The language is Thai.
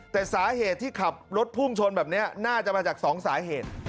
แต่สาเหตุที่ขับรถพุ่งชนแบบนี้น่าจะมาจาก๒สาเหตุ